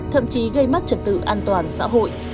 thậm chí gây mất trật tự an toàn xã hội